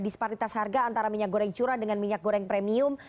disparitas harga antara minyak goreng curah dengan minyak goreng premium